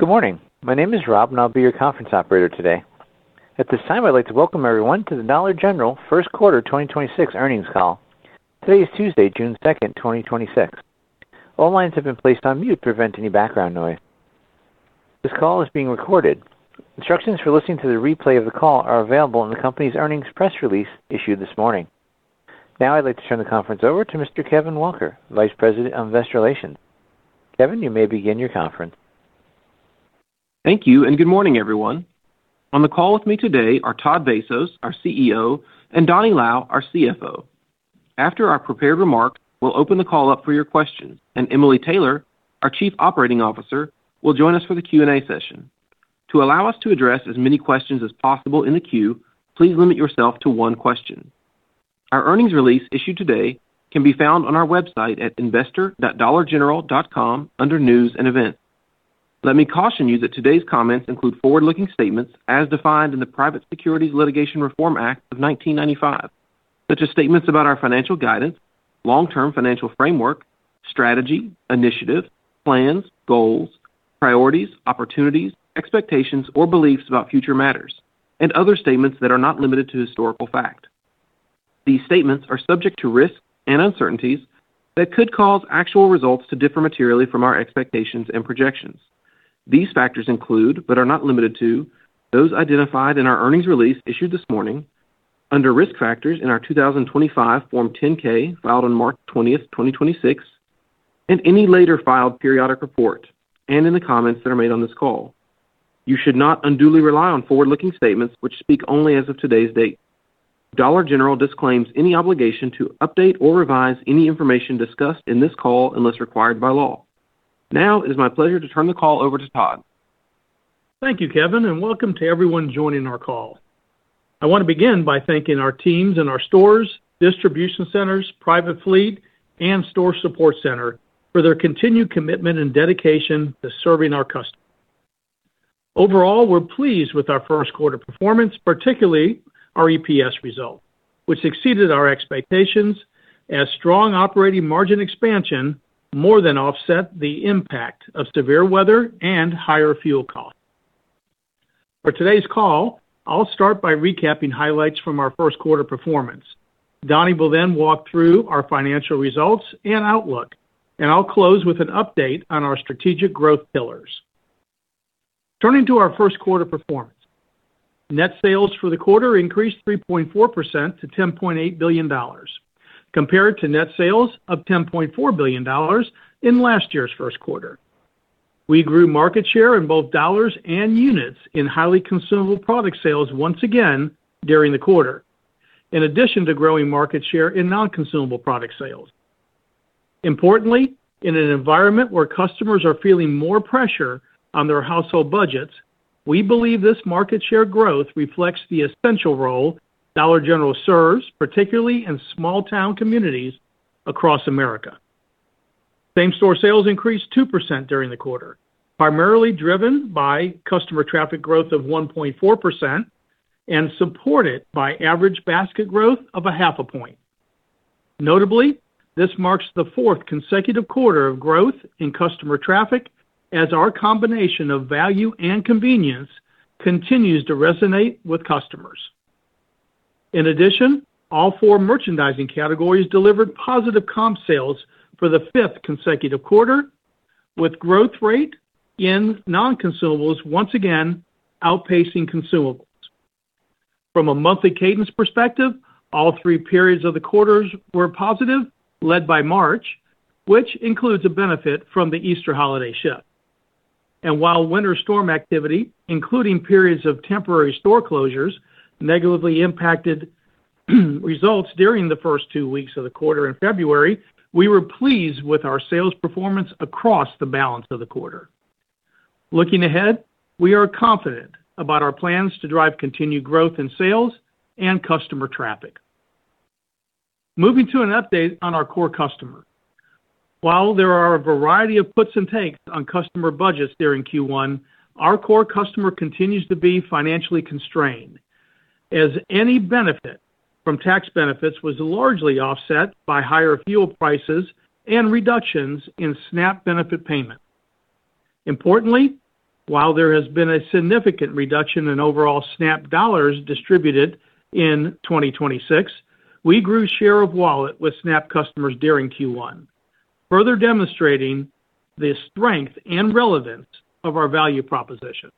Good morning. My name is Rob, and I'll be your conference operator today. At this time, I'd like to welcome everyone to the Dollar General first quarter 2026 earnings call. Today is Tuesday, June 2nd, 2026. All lines have been placed on mute to prevent any background noise. This call is being recorded. Instructions for listening to the replay of the call are available in the company's earnings press release issued this morning. Now I'd like to turn the conference over to Mr. Kevin Walker, Vice President of Investor Relations. Kevin, you may begin your conference. Thank you, and good morning, everyone. On the call with me today are Todd Vasos, our CEO, and Donny Lau, our CFO. After our prepared remarks, we'll open the call up for your questions, and Emily Taylor, our Chief Operating Officer, will join us for the Q&A session. To allow us to address as many questions as possible in the queue, please limit yourself to one question. Our earnings release issued today can be found on our website at investor.dollargeneral.com under News and Events. Let me caution you that today's comments include forward-looking statements as defined in the Private Securities Litigation Reform Act of 1995, such as statements about our financial guidance, long-term financial framework, strategy, initiatives, plans, goals, priorities, opportunities, expectations, or beliefs about future matters, and other statements that are not limited to historical fact. These statements are subject to risks and uncertainties that could cause actual results to differ materially from our expectations and projections. These factors include, but are not limited to, those identified in our earnings release issued this morning under Risk Factors in our 2025 Form 10-K filed on March 20, 2026, and any later filed periodic report, and in the comments that are made on this call. You should not unduly rely on forward-looking statements which speak only as of today's date. Dollar General disclaims any obligation to update or revise any information discussed in this call unless required by law. Now it is my pleasure to turn the call over to Todd. Thank you, Kevin, welcome to everyone joining our call. I want to begin by thanking our teams in our stores, distribution centers, private fleet, and store support center for their continued commitment and dedication to serving our customers. Overall, we're pleased with our first quarter performance, particularly our EPS result, which exceeded our expectations as strong operating margin expansion more than offset the impact of severe weather and higher fuel costs. For today's call, I'll start by recapping highlights from our first quarter performance. Donny will then walk through our financial results and outlook. I'll close with an update on our strategic growth pillars. Turning to our first quarter performance. Net sales for the quarter increased 3.4% to $10.8 billion, compared to net sales of $10.4 billion in last year's first quarter. We grew market share in both dollars and units in highly consumable product sales once again during the quarter, in addition to growing market share in non-consumable product sales. Importantly, in an environment where customers are feeling more pressure on their household budgets, we believe this market share growth reflects the essential role Dollar General serves, particularly in small-town communities across America. Same-store sales increased two % during the quarter, primarily driven by customer traffic growth of 1.4% and supported by average basket growth of a half a point. Notably, this marks the fourth consecutive quarter of growth in customer traffic as our combination of value and convenience continues to resonate with customers. In addition, all four merchandising categories delivered positive comp sales for the fifth consecutive quarter, with growth rate in non-consumables once again outpacing consumables. From a monthly cadence perspective, all three periods of the quarters were positive, led by March, which includes a benefit from the Easter holiday shift. While winter storm activity, including periods of temporary store closures, negatively impacted results during the first two weeks of the quarter in February, we were pleased with our sales performance across the balance of the quarter. Looking ahead, we are confident about our plans to drive continued growth in sales and customer traffic. Moving to an update on our core customer. While there are a variety of puts and takes on customer budgets during Q1, our core customer continues to be financially constrained, as any benefit from tax benefits was largely offset by higher fuel prices and reductions in SNAP benefit payment. Importantly, while there has been a significant reduction in overall SNAP dollars distributed in 2026, we grew share of wallet with SNAP customers during Q1, further demonstrating the strength and relevance of our value proposition.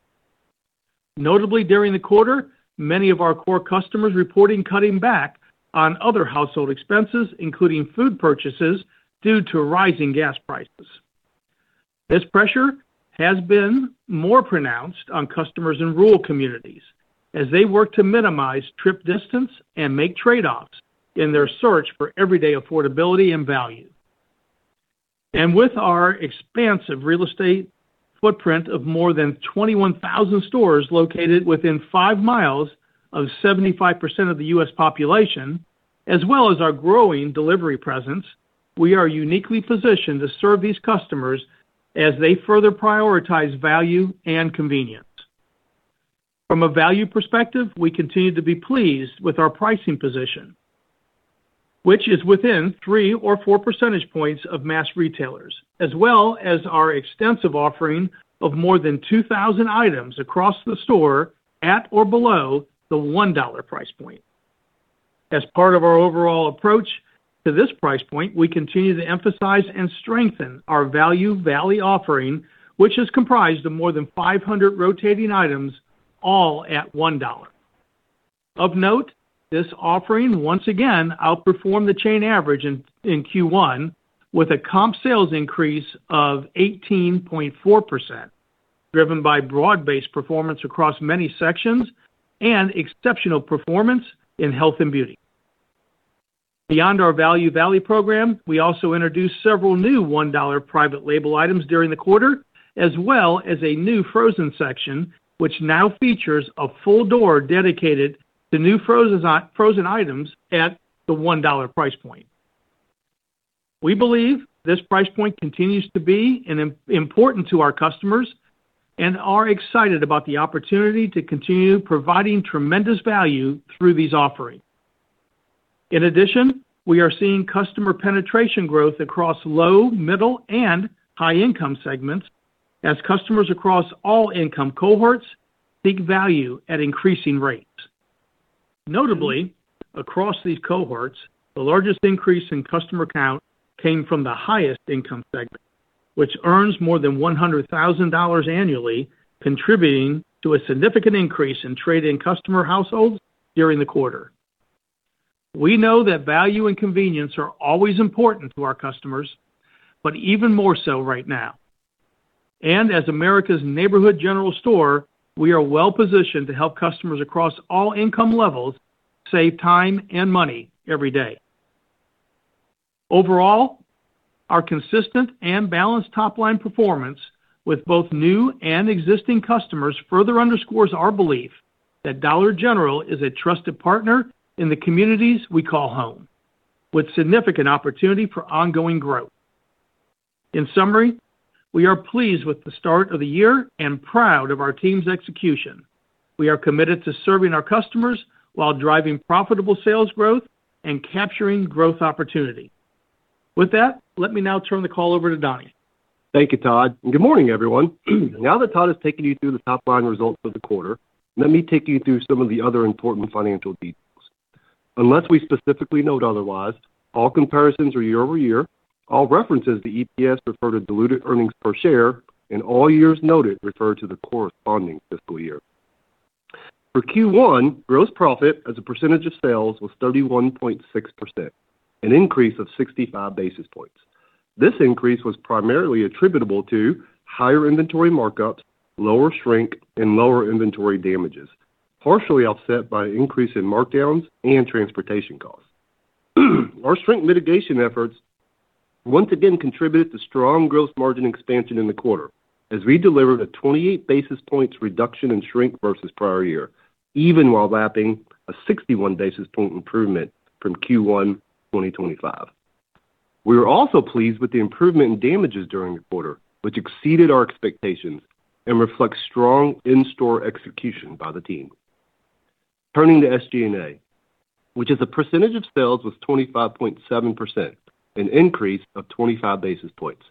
Notably during the quarter, many of our core customers reporting cutting back on other household expenses, including food purchases, due to rising gas prices. This pressure has been more pronounced on customers in rural communities as they work to minimize trip distance and make trade-offs in their search for everyday affordability and value. With our expansive real estate footprint of more than 21,000 stores located within 5 mi of 75% of the U.S. population, as well as our growing delivery presence, we are uniquely positioned to serve these customers as they further prioritize value and convenience. From a value perspective, we continue to be pleased with our pricing position, which is within 3 or 4 percentage points of mass retailers, as well as our extensive offering of more than 2,000 items across the store at or below the $1 price point. As part of our overall approach to this price point, we continue to emphasize and strengthen our Value Valley offering, which is comprised of more than 500 rotating items, all at $1. Of note, this offering once again outperformed the chain average in Q1 with a comp sales increase of 18.4%, driven by broad-based performance across many sections and exceptional performance in health and beauty. Beyond our Value Valley program, we also introduced several new $1 private label items during the quarter, as well as a new frozen section, which now features a full door dedicated to new frozen items at the $1 price point. We believe this price point continues to be important to our customers and are excited about the opportunity to continue providing tremendous value through these offerings. In addition, we are seeing customer penetration growth across low, middle, and high income segments as customers across all income cohorts seek value at increasing rates. Notably, across these cohorts, the largest increase in customer count came from the highest income segment, which earns more than $100,000 annually, contributing to a significant increase in trade in customer households during the quarter. We know that value and convenience are always important to our customers, but even more so right now. As America's neighborhood general store, we are well-positioned to help customers across all income levels save time and money every day. Overall, our consistent and balanced top-line performance with both new and existing customers further underscores our belief that Dollar General is a trusted partner in the communities we call home, with significant opportunity for ongoing growth. In summary, we are pleased with the start of the year and proud of our team's execution. We are committed to serving our customers while driving profitable sales growth and capturing growth opportunity. With that, let me now turn the call over to Donny. Thank you, Todd, and good morning, everyone. Now that Todd has taken you through the top-line results for the quarter, let me take you through some of the other important financial details. Unless we specifically note otherwise, all comparisons are year-over-year. All references to EPS refer to diluted earnings per share, and all years noted refer to the corresponding fiscal year. For Q1, gross profit as a percentage of sales was 31.6%, an increase of 65 basis points. This increase was primarily attributable to higher inventory markups, lower shrink, and lower inventory damages, partially offset by an increase in markdowns and transportation costs. Our shrink mitigation efforts once again contributed to strong gross margin expansion in the quarter, as we delivered a 28 basis points reduction in shrink versus prior year, even while lapping a 61 basis point improvement from Q1 2025. We were also pleased with the improvement in damages during the quarter, which exceeded our expectations and reflects strong in-store execution by the team. Turning to SG&A, which as a percentage of sales was 25.7%, an increase of 25 basis points.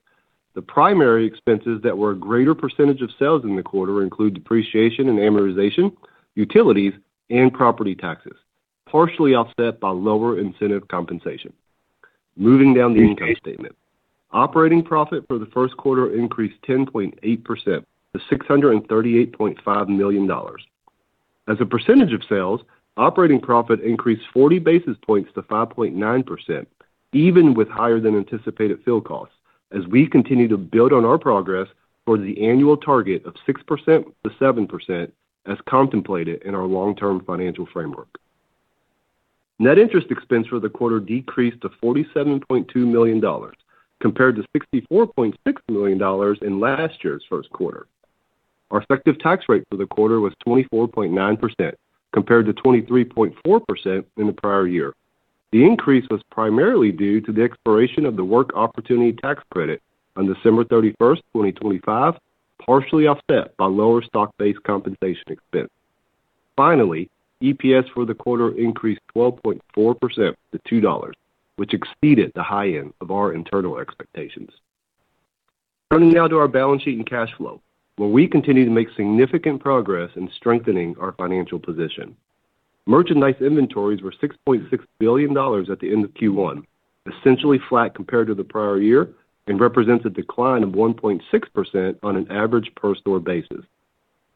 The primary expenses that were a greater percentage of sales in the quarter include depreciation and amortization, utilities, and property taxes, partially offset by lower incentive compensation. Moving down the income statement. Operating profit for the first quarter increased 10.8% to $638.5 million. As a percentage of sales, operating profit increased 40 basis points to 5.9%, even with higher than anticipated fuel costs, as we continue to build on our progress towards the annual target of 6%-7% as contemplated in our long-term financial framework. Net interest expense for the quarter decreased to $47.2 million compared to $64.6 million in last year's first quarter. Our effective tax rate for the quarter was 24.9%, compared to 23.4% in the prior year. The increase was primarily due to the expiration of the Work Opportunity Tax Credit on December 31st, 2025, partially offset by lower stock-based compensation expense. EPS for the quarter increased 12.4% to $2, which exceeded the high end of our internal expectations. Turning now to our balance sheet and cash flow, where we continue to make significant progress in strengthening our financial position. Merchandise inventories were $6.6 billion at the end of Q1, essentially flat compared to the prior year and represents a decline of 1.6% on an average per store basis.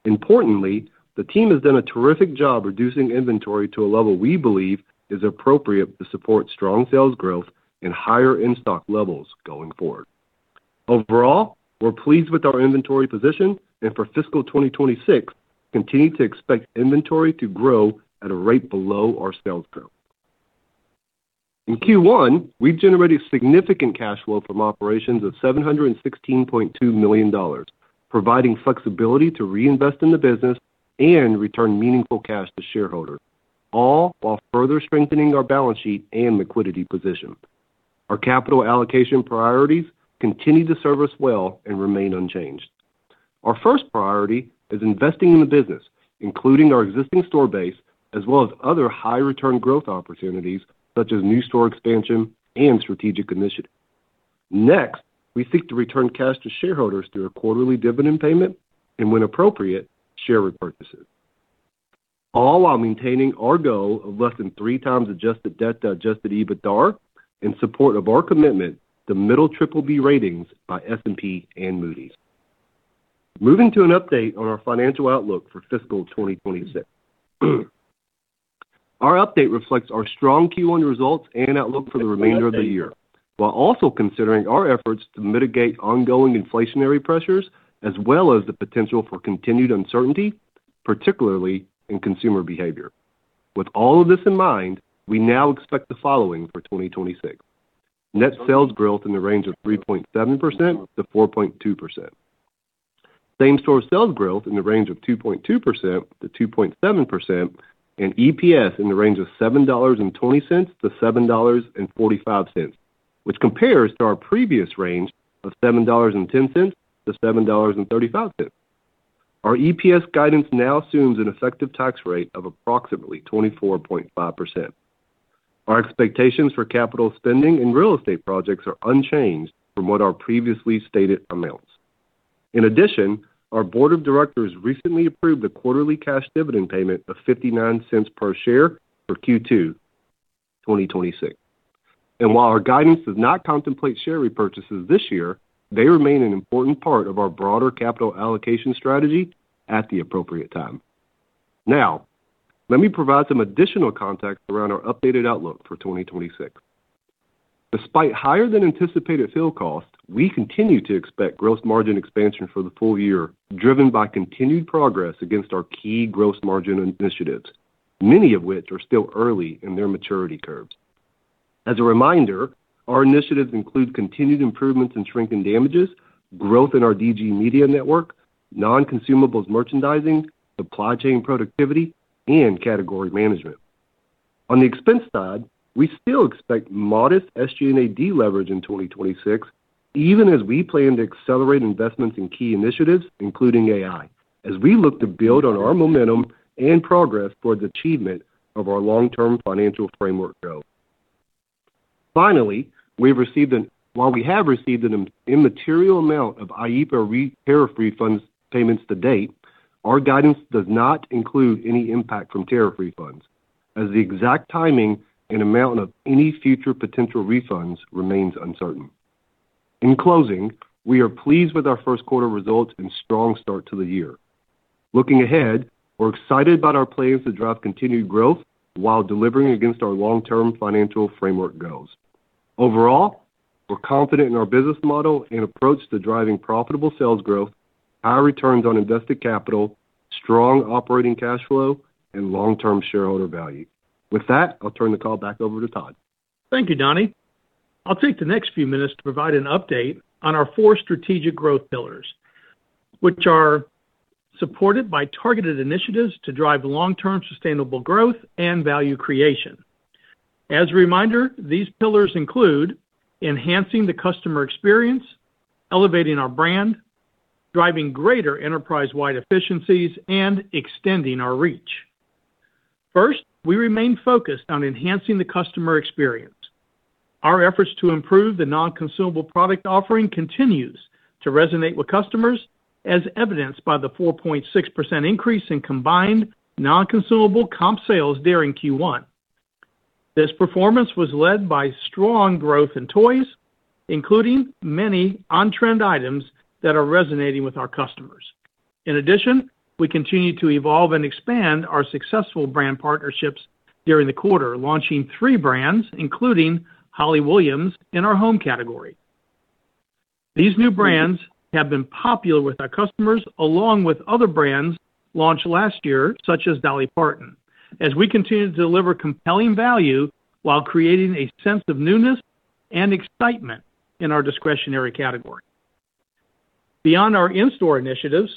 Importantly, the team has done a terrific job reducing inventory to a level we believe is appropriate to support strong sales growth and higher in-stock levels going forward. Overall, we're pleased with our inventory position, and for fiscal 2026, continue to expect inventory to grow at a rate below our sales growth. In Q1, we generated significant cash flow from operations of $716.2 million, providing flexibility to reinvest in the business and return meaningful cash to shareholders, all while further strengthening our balance sheet and liquidity position. Our capital allocation priorities continue to serve us well and remain unchanged. Our first priority is investing in the business, including our existing store base, as well as other high return growth opportunities, such as new store expansion and strategic initiatives. Next, we seek to return cash to shareholders through a quarterly dividend payment, and when appropriate, share repurchases, all while maintaining our goal of less than 3x adjusted debt to adjusted EBITDA in support of our commitment to middle BBB ratings by S&P and Moody's. Moving to an update on our financial outlook for fiscal 2026. Our update reflects our strong Q1 results and outlook for the remainder of the year, while also considering our efforts to mitigate ongoing inflationary pressures, as well as the potential for continued uncertainty, particularly in consumer behavior. With all of this in mind, we now expect the following for 2026. Net sales growth in the range of 3.7%-4.2%, same-store sales growth in the range of 2.2%-2.7%, and EPS in the range of $7.20-$7.45, which compares to our previous range of $7.10-$7.35. Our EPS guidance now assumes an effective tax rate of approximately 24.5%. Our expectations for capital spending and real estate projects are unchanged from what are previously stated amounts. In addition, our board of directors recently approved a quarterly cash dividend payment of $0.59 per share for Q2 2026. While our guidance does not contemplate share repurchases this year, they remain an important part of our broader capital allocation strategy at the appropriate time. Let me provide some additional context around our updated outlook for 2026. Despite higher than anticipated fuel costs, we continue to expect gross margin expansion for the full year, driven by continued progress against our key gross margin initiatives, many of which are still early in their maturity curves. As a reminder, our initiatives include continued improvements in shrink and damages, growth in our DG Media Network, non-consumables merchandising, supply chain productivity, and category management. On the expense side, we still expect modest SG&A leverage in 2026, even as we plan to accelerate investments in key initiatives, including AI, as we look to build on our momentum and progress towards achievement of our long-term financial framework goal. While we have received an immaterial amount of IEEPA tariff refunds payments to date, our guidance does not include any impact from tariff refunds, as the exact timing and amount of any future potential refunds remains uncertain. In closing, we are pleased with our first quarter results and strong start to the year. Looking ahead, we're excited about our plans to drive continued growth while delivering against our long-term financial framework goals. Overall, we're confident in our business model and approach to driving profitable sales growth, high returns on invested capital, strong operating cash flow, and long-term shareholder value. With that, I'll turn the call back over to Todd. Thank you, Donny. I'll take the next few minutes to provide an update on our four strategic growth pillars, which are supported by targeted initiatives to drive long-term sustainable growth and value creation. As a reminder, these pillars include enhancing the customer experience, elevating our brand, driving greater enterprise-wide efficiencies, and extending our reach. First, we remain focused on enhancing the customer experience. Our efforts to improve the non-consumable product offering continues to resonate with customers, as evidenced by the 4.6% increase in combined non-consumable comp sales during Q1. This performance was led by strong growth in toys, including many on-trend items that are resonating with our customers. In addition, we continue to evolve and expand our successful brand partnerships during the quarter, launching three brands, including Holly Williams in our home category. These new brands have been popular with our customers, along with other brands launched last year, such as Dolly Parton, as we continue to deliver compelling value while creating a sense of newness and excitement in our discretionary category. Beyond our in-store initiatives,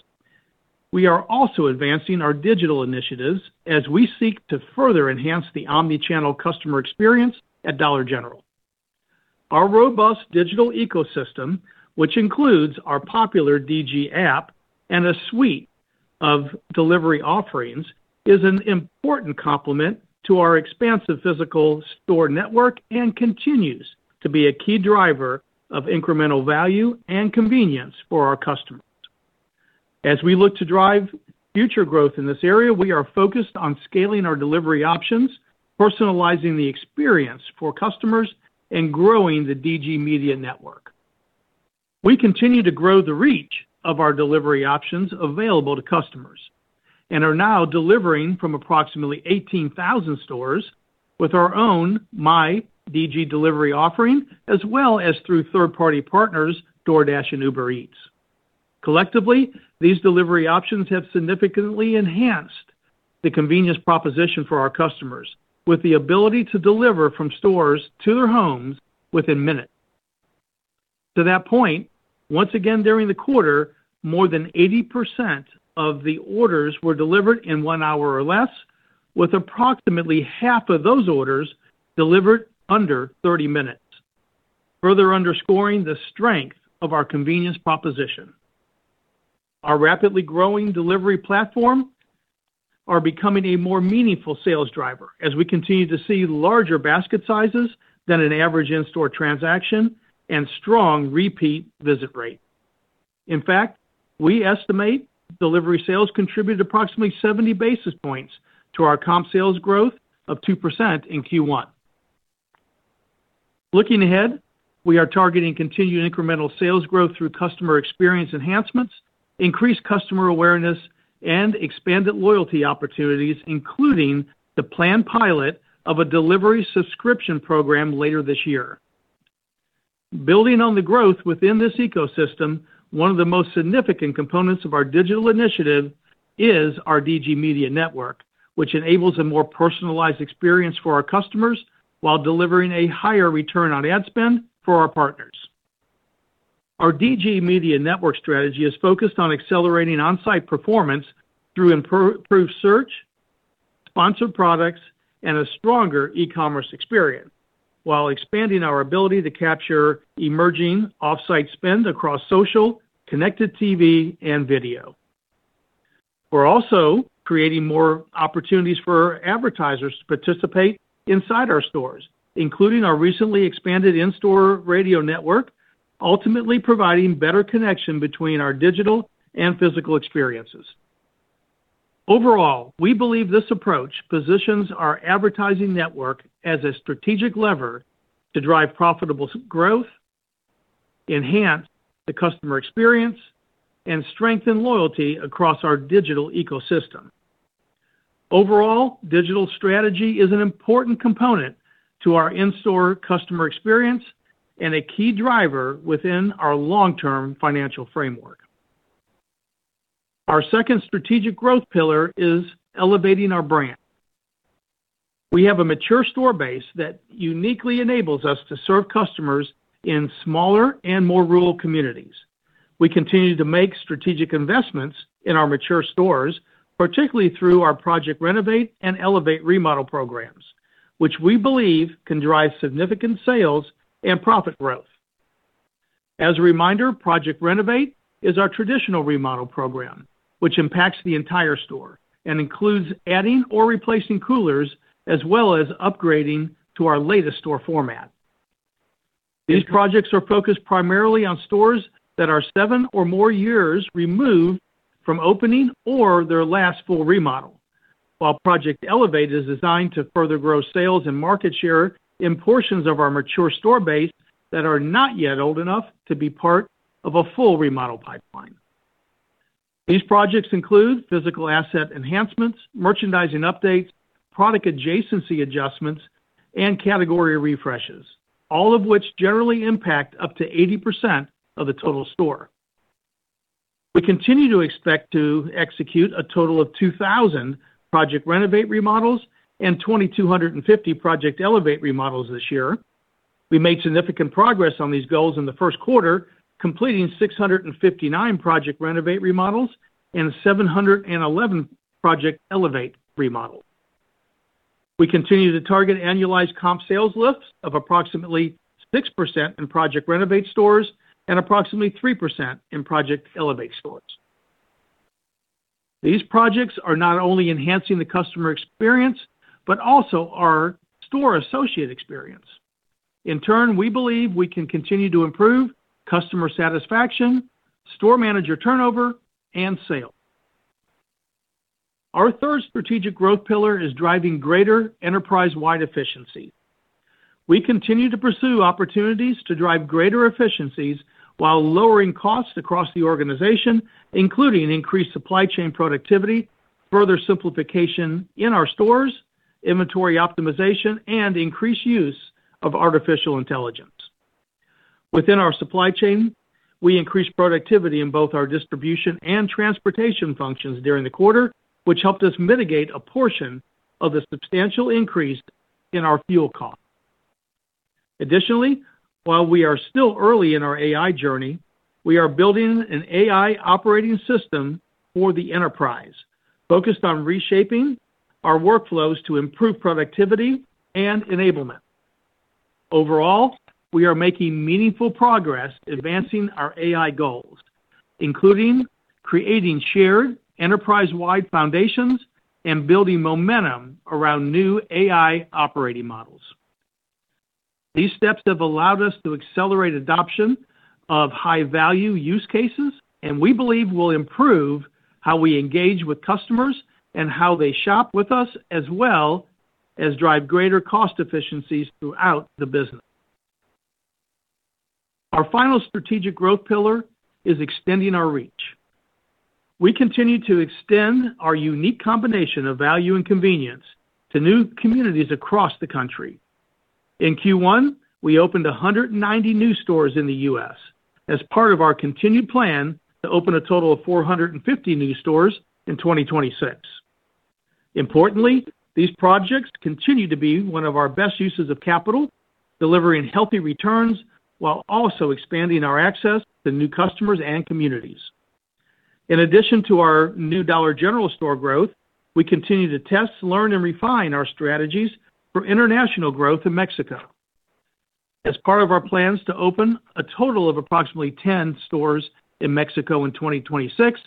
we are also advancing our digital initiatives as we seek to further enhance the omni-channel customer experience at Dollar General. Our robust digital ecosystem, which includes our popular DG app and a suite of delivery offerings, is an important complement to our expansive physical store network and continues to be a key driver of incremental value and convenience for our customers. As we look to drive future growth in this area, we are focused on scaling our delivery options, personalizing the experience for customers, and growing the DG Media Network. We continue to grow the reach of our delivery options available to customers and are now delivering from approximately 18,000 stores with our own myDG Delivery offering, as well as through third-party partners, DoorDash and Uber Eats. Collectively, these delivery options have significantly enhanced the convenience proposition for our customers with the ability to deliver from stores to their homes within minutes. To that point, once again during the quarter, more than 80% of the orders were delivered in one hour or less, with approximately half of those orders delivered under 30 minutes, further underscoring the strength of our convenience proposition. Our rapidly growing delivery platform are becoming a more meaningful sales driver as we continue to see larger basket sizes than an average in-store transaction and strong repeat visit rate. In fact, we estimate delivery sales contributed approximately 70 basis points to our comp sales growth of 2% in Q1. Looking ahead, we are targeting continued incremental sales growth through customer experience enhancements, increased customer awareness, and expanded loyalty opportunities, including the planned pilot of a delivery subscription program later this year. Building on the growth within this ecosystem, one of the most significant components of our digital initiative is our DG Media Network, which enables a more personalized experience for our customers while delivering a higher return on ad spend for our partners. Our DG Media Network strategy is focused on accelerating on-site performance through improved search, sponsored products, and a stronger e-commerce experience while expanding our ability to capture emerging off-site spend across social, connected TV, and video. We're also creating more opportunities for advertisers to participate inside our stores, including our recently expanded in-store radio network, ultimately providing better connection between our digital and physical experiences. We believe this approach positions our advertising network as a strategic lever to drive profitable growth, enhance the customer experience, and strengthen loyalty across our digital ecosystem. Digital strategy is an important component to our in-store customer experience and a key driver within our long-term financial framework. Our second strategic growth pillar is elevating our brand. We have a mature store base that uniquely enables us to serve customers in smaller and more rural communities. We continue to make strategic investments in our mature stores, particularly through our Project Renovate and Project Elevate remodel programs, which we believe can drive significant sales and profit growth. As a reminder, Project Renovate is our traditional remodel program, which impacts the entire store and includes adding or replacing coolers, as well as upgrading to our latest store format. These projects are focused primarily on stores that are seven or more years removed from opening or their last full remodel. Project Elevate is designed to further grow sales and market share in portions of our mature store base that are not yet old enough to be part of a full remodel pipeline. These projects include physical asset enhancements, merchandising updates, product adjacency adjustments, and category refreshes, all of which generally impact up to 80% of the total store. We continue to expect to execute a total of 2,000 Project Renovate remodels and 2,250 Project Elevate remodels this year. We made significant progress on these goals in the first quarter, completing 659 Project Renovate remodels and 711 Project Elevate remodels. We continue to target annualized comp sales lifts of approximately 6% in Project Renovate stores and approximately 3% in Project Elevate stores. These projects are not only enhancing the customer experience, but also our store associate experience. In turn, we believe we can continue to improve customer satisfaction, store manager turnover, and sales. Our third strategic growth pillar is driving greater enterprise-wide efficiency. We continue to pursue opportunities to drive greater efficiencies while lowering costs across the organization, including increased supply chain productivity, further simplification in our stores, inventory optimization, and increased use of artificial intelligence. Within our supply chain, we increased productivity in both our distribution and transportation functions during the quarter, which helped us mitigate a portion of the substantial increase in our fuel cost. Additionally, while we are still early in our AI journey, we are building an AI operating system for the enterprise, focused on reshaping our workflows to improve productivity and enablement. Overall, we are making meaningful progress advancing our AI goals, including creating shared enterprise-wide foundations and building momentum around new AI operating models. These steps have allowed us to accelerate adoption of high-value use cases, and we believe will improve how we engage with customers and how they shop with us, as well as drive greater cost efficiencies throughout the business. Our final strategic growth pillar is extending our reach. We continue to extend our unique combination of value and convenience to new communities across the country. In Q1, we opened 190 new stores in the U.S. as part of our continued plan to open a total of 450 new stores in 2026. Importantly, these projects continue to be one of our best uses of capital, delivering healthy returns while also expanding our access to new customers and communities. In addition to our new Dollar General store growth, we continue to test, learn, and refine our strategies for international growth in Mexico. As part of our plans to open a total of approximately 10 stores in Mexico in 2026,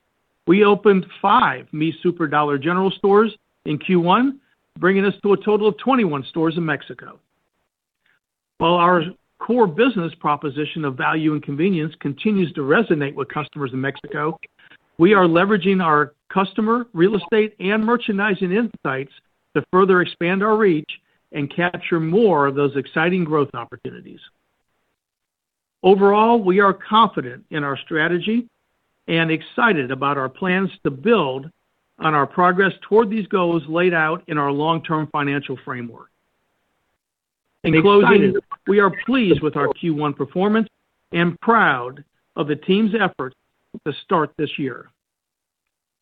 we opened five Mi Súper Dollar General stores in Q1, bringing us to a total of 21 stores in Mexico. While our core business proposition of value and convenience continues to resonate with customers in Mexico, we are leveraging our customer, real estate, and merchandising insights to further expand our reach and capture more of those exciting growth opportunities. Overall, we are confident in our strategy and excited about our plans to build on our progress toward these goals laid out in our long-term financial framework. In closing, we are pleased with our Q1 performance and proud of the team's effort to start this year.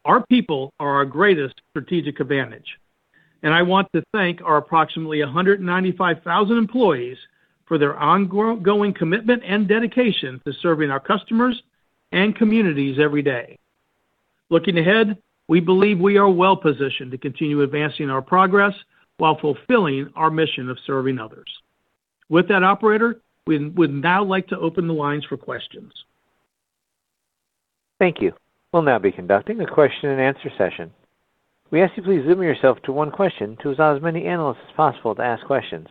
Our people are our greatest strategic advantage, and I want to thank our approximately 195,000 employees for their ongoing commitment and dedication to serving our customers and communities every day. Looking ahead, we believe we are well positioned to continue advancing our progress while fulfilling our mission of serving others. With that, operator, we'd now like to open the lines for questions. Thank you. We'll now be conducting a question and answer session. We ask you please limit yourself to one question to allow as many analysts as possible to ask questions.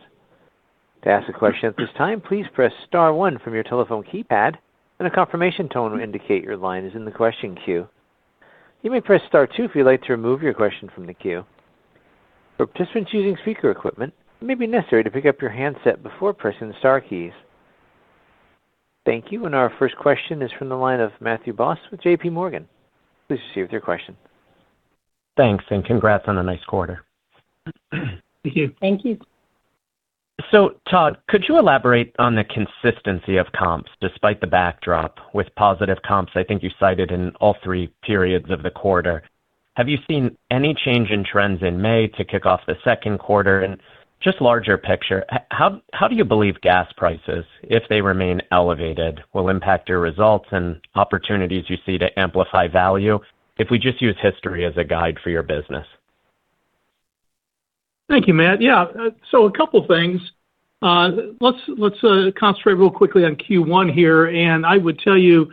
To ask a question at this time, please press star one from your telephone keypad, and a confirmation tone will indicate your line is in the question queue. You may press star two if you'd like to remove your question from the queue. For participants using speaker equipment, it may be necessary to pick up your handset before pressing the star keys. Thank you. Our first question is from the line of Matthew Boss with JPMorgan. Please proceed with your question. Thanks, and congrats on a nice quarter. Thank you. Thank you. Todd, could you elaborate on the consistency of comps despite the backdrop with positive comps, I think you cited in all three periods of the quarter. Have you seen any change in trends in May to kick off the second quarter? And just larger picture, how do you believe gas prices, if they remain elevated, will impact your results and opportunities you see to amplify value if we just use history as a guide for your business? Thank you, Matt. Yeah. A couple things. Let's concentrate real quickly on Q1 here. I would tell you,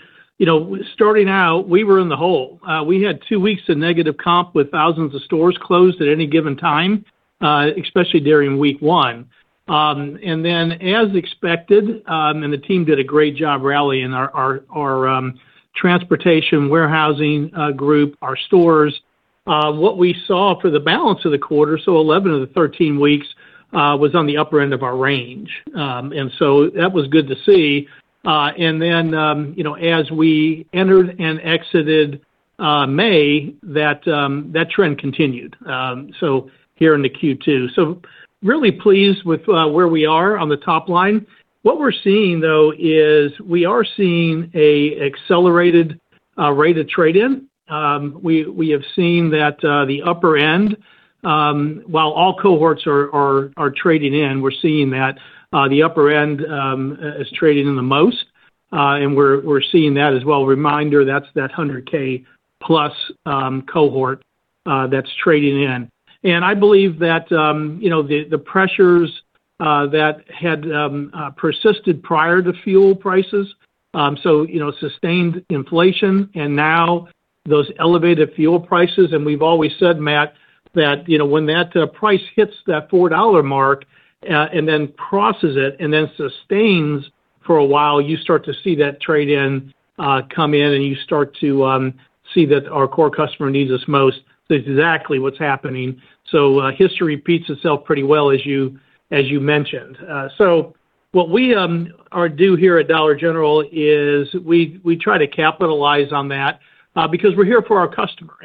starting out, we were in the hole. We had two weeks of negative comp with thousands of stores closed at any given time, especially during week one. As expected, and the team did a great job rallying our transportation warehousing group, our stores. What we saw for the balance of the quarter, so 11 of the 13 weeks, was on the upper end of our range. That was good to see. As we entered and exited May, that trend continued, so here into Q2. Really pleased with where we are on the top line. What we're seeing, though, is we are seeing an accelerated rate of trade-in. We have seen that the upper end, while all cohorts are trading in, we're seeing that the upper end is trading in the most. We're seeing that as well. Reminder, that's that 100,000+ cohort that's trading in. I believe that the pressures that had persisted prior to fuel costs, so sustained inflation and now those elevated fuel costs, and we've always said, Matt, that when that price hits that $4 mark, and then crosses it, and then sustains for a while, you start to see that trade-in come in, and you start to see that our core customer needs us most. That's exactly what's happening. History repeats itself pretty well as you mentioned. What we do here at Dollar General is we try to capitalize on that because we're here for our customer.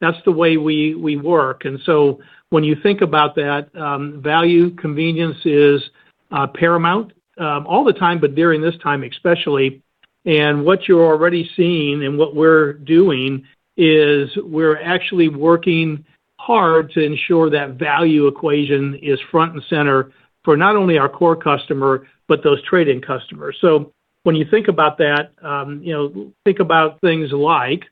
That's the way we work. When you think about that, value, convenience is paramount all the time, but during this time especially. What you're already seeing and what we're doing is we're actually working hard to ensure that value equation is front and center for not only our core customer, but those trade-in customers. When you think about that, think about things like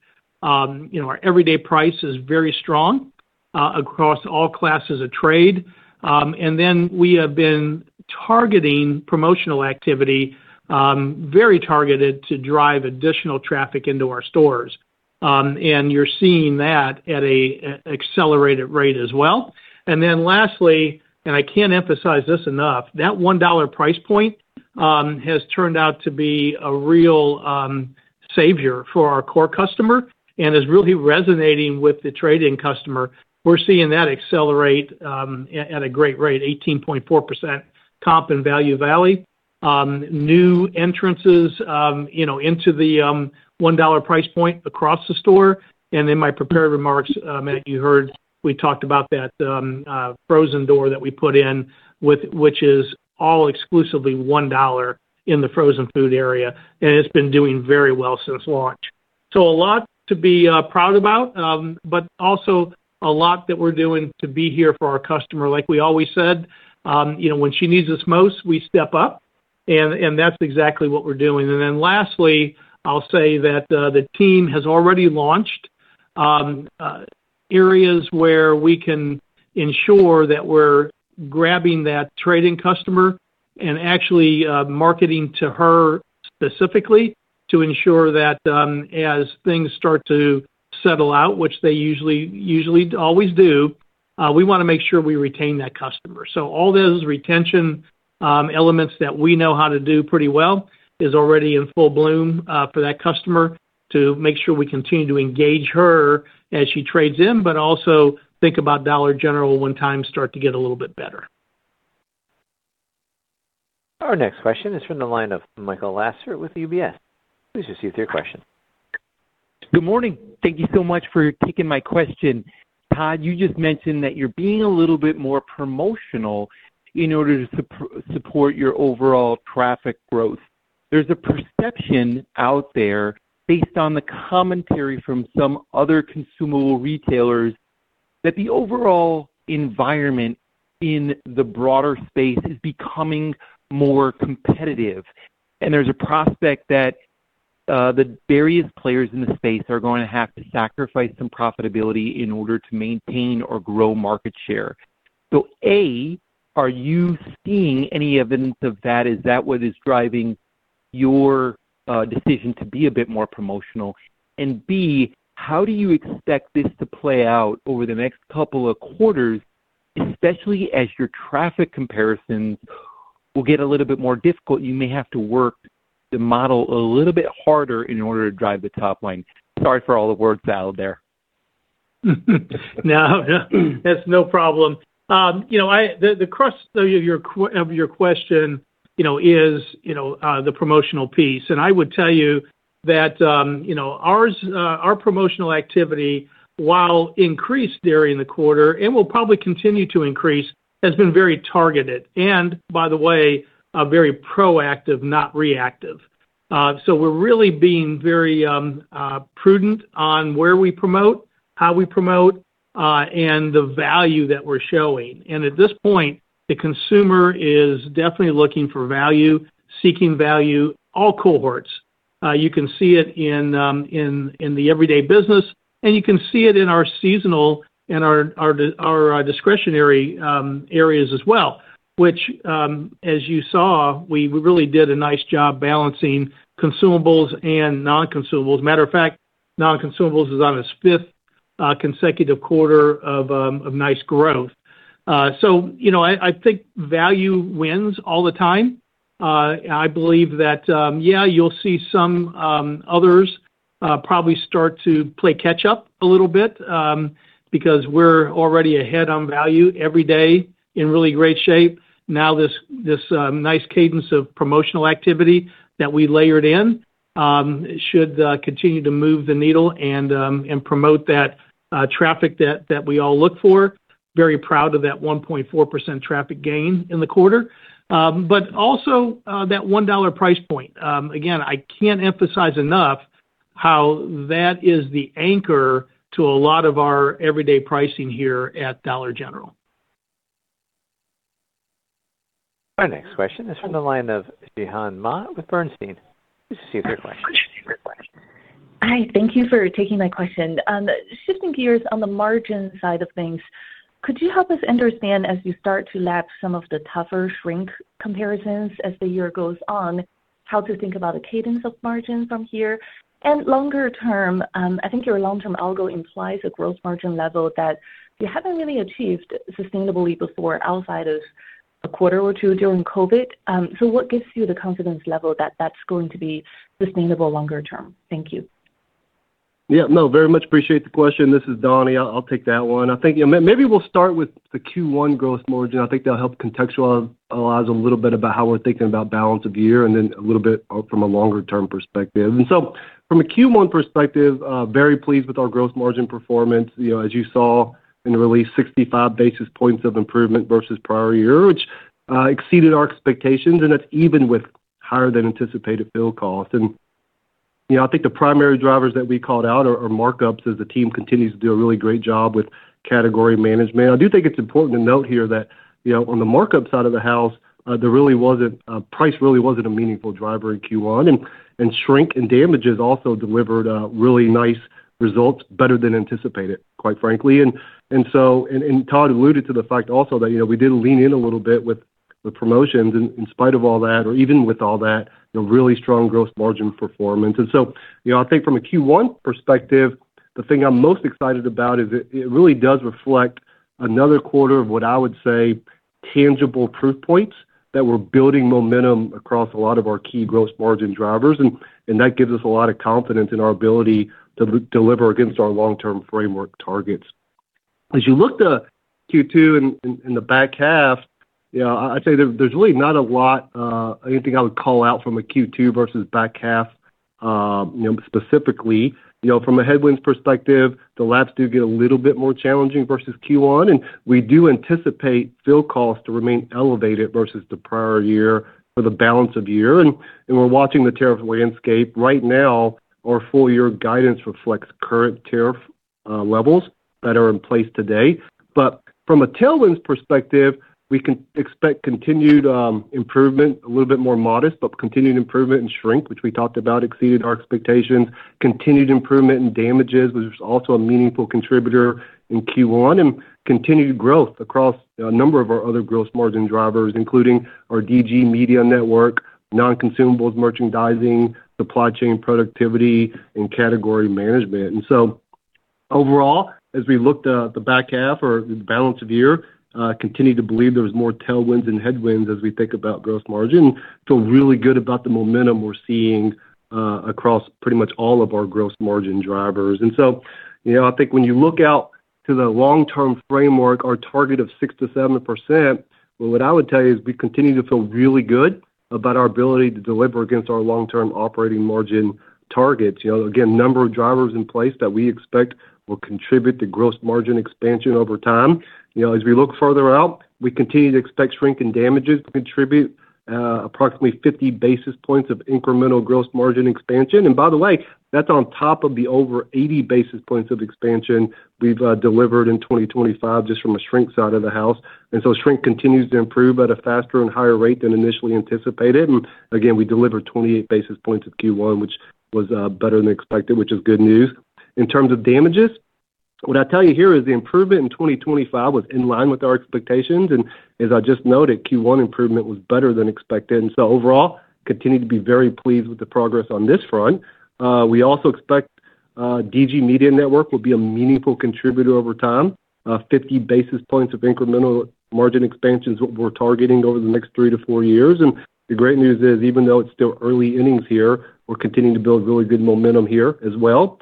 our everyday price is very strong across all classes of trade. We have been targeting promotional activity, very targeted to drive additional traffic into our stores. You're seeing that at an accelerated rate as well. Lastly, I can't emphasize this enough, that $1 price point has turned out to be a real savior for our core customer and is really resonating with the trade-in customer. We're seeing that accelerate at a great rate, 18.4% comp in Value Valley. New entrances into the $1 price point across the store. In my prepared remarks, Matt, you heard we talked about that frozen door that we put in which is all exclusively $1 in the frozen food area, and it's been doing very well since launch. A lot to be proud about, but also a lot that we're doing to be here for our customer. Like we always said, when she needs us most, we step up, and that's exactly what we're doing. Lastly, I'll say that the team has already launched areas where we can ensure that we're grabbing that trading customer and actually marketing to her specifically to ensure that as things start to settle out, which they usually always do, we want to make sure we retain that customer. All those retention elements that we know how to do pretty well is already in full bloom for that customer to make sure we continue to engage her as she trades in, but also think about Dollar General when times start to get a little bit better. Our next question is from the line of Michael Lasser with UBS. Please proceed with your question. Good morning. Thank you so much for taking my question. Todd, you just mentioned that you're being a little bit more promotional in order to support your overall traffic growth. There's a perception out there based on the commentary from some other consumable retailers that the overall environment in the broader space is becoming more competitive, and there's a prospect that the various players in the space are going to have to sacrifice some profitability in order to maintain or grow market share. A, are you seeing any evidence of that? Is that what is driving your decision to be a bit more promotional? B, how do you expect this to play out over the next couple of quarters, especially as your traffic comparisons will get a little bit more difficult? You may have to work the model a little bit harder in order to drive the top line. Sorry for all the words out there. No. That's no problem. The crux of your question is the promotional piece. I would tell you that our promotional activity, while increased during the quarter and will probably continue to increase, has been very targeted and, by the way, very proactive, not reactive. We're really being very prudent on where we promote, how we promote, and the value that we're showing. At this point, the consumer is definitely looking for value, seeking value, all cohorts. You can see it in the everyday business, and you can see it in our seasonal and our discretionary areas as well, which, as you saw, we really did a nice job balancing consumables and non-consumables. Matter of fact, non-consumables is on its fifth consecutive quarter of nice growth. I think value wins all the time. I believe that, yeah, you'll see some others probably start to play catch up a little bit because we're already ahead on value every day in really great shape. This nice cadence of promotional activity that we layered in should continue to move the needle and promote that traffic that we all look for. Very proud of that 1.4% traffic gain in the quarter. Also that $1 price point. Again, I can't emphasize enough how that is the anchor to a lot of our everyday pricing here at Dollar General. Our next question is from the line of Zhihan Ma with Bernstein. Please proceed with your question. Hi, thank you for taking my question. Shifting gears on the margin side of things, could you help us understand, as you start to lap some of the tougher shrink comparisons as the year goes on, how to think about a cadence of margin from here? Longer term, I think your long-term algo implies a growth margin level that you haven't really achieved sustainably before outside of a quarter or two during COVID. What gives you the confidence level that that's going to be sustainable longer term? Thank you. Yeah, no, very much appreciate the question. This is Donny. I'll take that one. I think maybe we'll start with the Q1 gross margin. I think that'll help contextualize a little bit about how we're thinking about balance of year and then a little bit from a longer term perspective. So from a Q1 perspective, very pleased with our gross margin performance. As you saw in the release, 65 basis points of improvement versus prior year, which exceeded our expectations, and that's even with higher than anticipated fuel cost. I think the primary drivers that we called out are markups as the team continues to do a really great job with category management. I do think it's important to note here that on the markup side of the house, price really wasn't a meaningful driver in Q1. Shrink and damages also delivered really nice results, better than anticipated, quite frankly. Todd alluded to the fact also that we did lean in a little bit with the promotions in spite of all that or even with all that, really strong gross margin performance. I think from a Q1 perspective, the thing I'm most excited about is it really does reflect another quarter of what I would say tangible proof points that we're building momentum across a lot of our key gross margin drivers, and that gives us a lot of confidence in our ability to deliver against our long-term framework targets. As you look to Q2 and the back half, I'd say there's really not a lot, anything I would call out from a Q2 versus back half specifically. From a headwinds perspective, the laps do get a little bit more challenging versus Q1. We do anticipate fuel costs to remain elevated versus the prior year for the balance of the year. We're watching the tariff landscape. Right now, our full year guidance reflects current tariff levels that are in place today. From a tailwinds perspective, we can expect continued improvement, a little bit more modest, but continued improvement in shrink, which we talked about, exceeded our expectations. Continued improvement in damages, which was also a meaningful contributor in Q1, and continued growth across a number of our other gross margin drivers, including our DG Media Network, non-consumables merchandising, supply chain productivity, and category management. Overall, as we look at the back half or the balance of the year, continue to believe there was more tailwinds than headwinds as we think about gross margin. Feel really good about the momentum we're seeing across pretty much all of our gross margin drivers. I think when you look out to the long-term framework, our target of 6%-7%, what I would tell you is we continue to feel really good about our ability to deliver against our long-term operating margin targets. Again, number of drivers in place that we expect will contribute to gross margin expansion over time. As we look further out, we continue to expect shrink and damages to contribute approximately 50 basis points of incremental gross margin expansion. By the way, that's on top of the over 80 basis points of expansion we've delivered in 2025 just from a shrink side of the house. Shrink continues to improve at a faster and higher rate than initially anticipated. Again, we delivered 28 basis points at Q1, which was better than expected, which is good news. In terms of damages, what I'll tell you here is the improvement in 2025 was in line with our expectations. As I just noted, Q1 improvement was better than expected. Overall, continue to be very pleased with the progress on this front. We also expect DG Media Network will be a meaningful contributor over time. 50 basis points of incremental margin expansion is what we're targeting over the next three to four years. The great news is, even though it's still early innings here, we're continuing to build really good momentum here as well.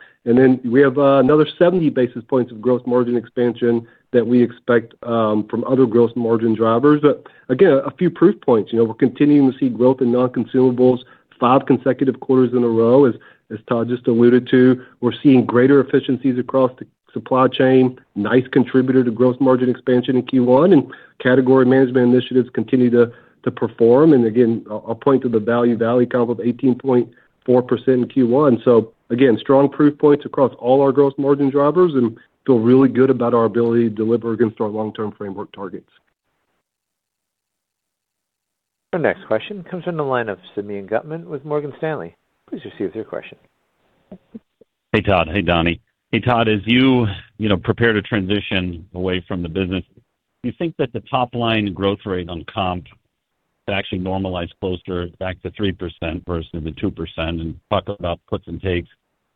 We have another 70 basis points of gross margin expansion that we expect from other gross margin drivers. Again, a few proof points. We're continuing to see growth in non-consumables five consecutive quarters in a row, as Todd just alluded to. Nice contributor to gross margin expansion in Q1. Category management initiatives continue to perform. Again, I'll point to the Value Valley comp of 18.4% in Q1. Again, strong proof points across all our gross margin drivers and feel really good about our ability to deliver against our long-term framework targets. Our next question comes from the line of Simeon Gutman with Morgan Stanley. Please proceed with your question. Hey, Todd. Hey, Donny. Hey, Todd, as you prepare to transition away from the business, do you think that the top-line growth rate on comp could actually normalize closer back to 3% versus the 2% and talk about puts and takes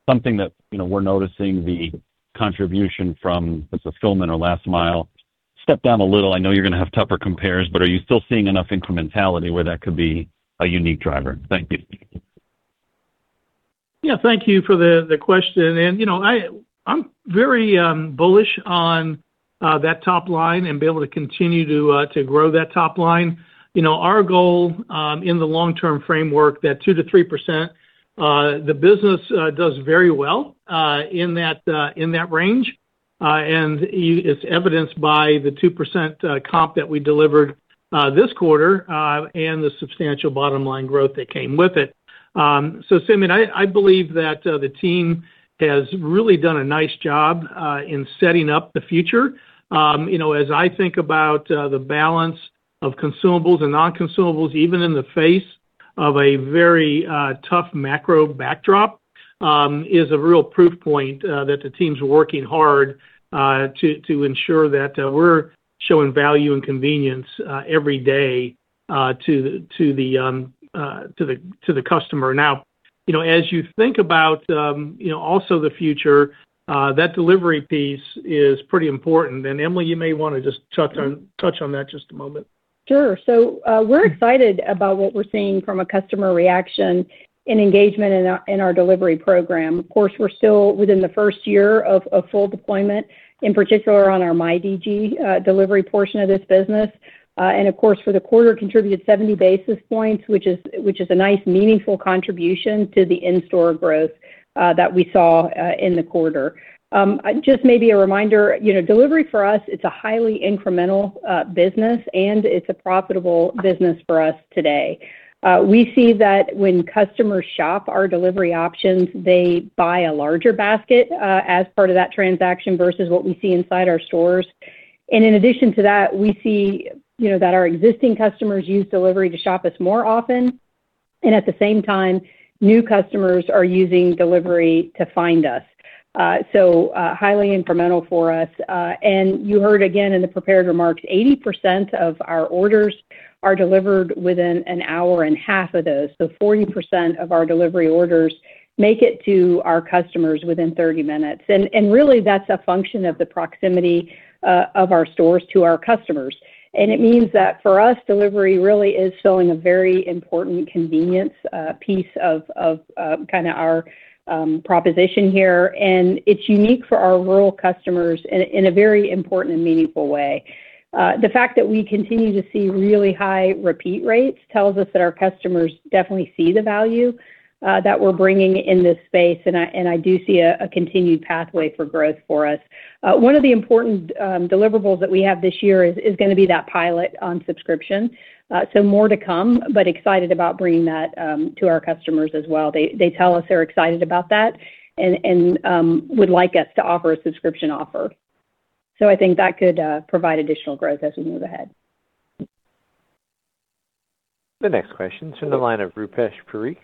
something that we're noticing the contribution from the fulfillment or last mile step down a little. I know you're going to have tougher compares, but are you still seeing enough incrementality where that could be a unique driver? Thank you. Thank you for the question. I'm very bullish on that top line and be able to continue to grow that top line. Our goal in the long-term framework, that 2%-3%, the business does very well in that range, and it's evidenced by the 2% comp that we delivered this quarter and the substantial bottom-line growth that came with it. Simeon, I believe that the team has really done a nice job in setting up the future. As I think about the balance of consumables and non-consumables, even in the face of a very tough macro backdrop, is a real proof point that the team's working hard to ensure that we're showing value and convenience every day to the customer. As you think about also the future, that delivery piece is pretty important. Emily, you may want to just touch on that just a moment. Sure. We're excited about what we're seeing from a customer reaction and engagement in our delivery program. We're still within the first year of full deployment, in particular on our myDG delivery portion of this business. For the quarter contributed 70 basis points, which is a nice, meaningful contribution to the in-store growth that we saw in the quarter. Just maybe a reminder, delivery for us, it's a highly incremental business, and it's a profitable business for us today. We see that when customers shop our delivery options, they buy a larger basket as part of that transaction versus what we see inside our stores. In addition to that, we see that our existing customers use delivery to shop us more often, and at the same time, new customers are using delivery to find us. Highly incremental for us. You heard again in the prepared remarks, 80% of our orders are delivered within an hour and half of those. 40% of our delivery orders make it to our customers within 30 minutes. Really, that's a function of the proximity of our stores to our customers. It means that for us, delivery really is filling a very important convenience piece of our proposition here, and it's unique for our rural customers in a very important and meaningful way. The fact that we continue to see really high repeat rates tells us that our customers definitely see the value that we're bringing in this space, and I do see a continued pathway for growth for us. One of the important deliverables that we have this year is going to be that pilot on subscription. More to come, but excited about bringing that to our customers as well. They tell us they're excited about that and would like us to offer a subscription offer. I think that could provide additional growth as we move ahead. The next question is from the line of Rupesh Parikh,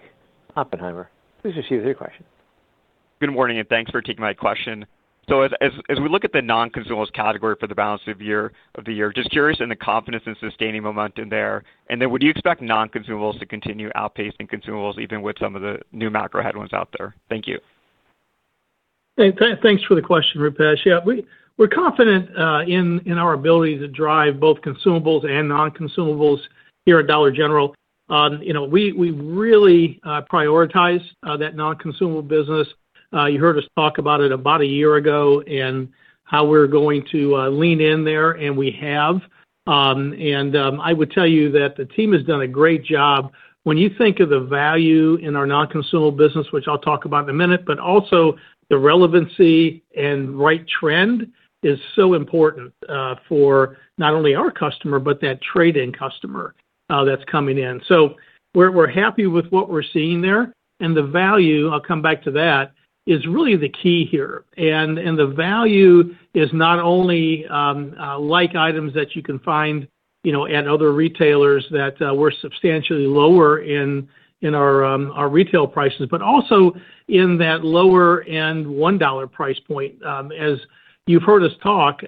Oppenheimer. Please proceed with your question. Good morning, thanks for taking my question. As we look at the non-consumables category for the balance of the year, just curious in the confidence in sustaining momentum there. Would you expect non-consumables to continue outpacing consumables, even with some of the new macro headwinds out there? Thank you. Hey, thanks for the question, Rupesh. Yeah, we're confident in our ability to drive both consumables and non-consumables here at Dollar General. We really prioritize that non-consumable business. You heard us talk about it about a year ago and how we're going to lean in there, and we have. I would tell you that the team has done a great job. When you think of the value in our non-consumable business, which I'll talk about in a minute, but also the relevancy and right trend is so important for not only our customer, but that trade-in customer that's coming in. We're happy with what we're seeing there. The value, I'll come back to that, is really the key here. The value is not only like items that you can find at other retailers that were substantially lower in our retail prices, but also in that lower end $1 price point. As you've heard us talk,